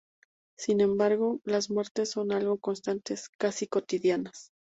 Sin embargo, las muertes son algo constantes, casi cotidianas.